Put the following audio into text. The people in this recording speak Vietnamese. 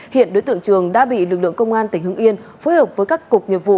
hiện đối tượng trường đã bị lực lượng công an tỉnh hưng yên phối hợp với các cục nghiệp vụ